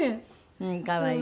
うん可愛い。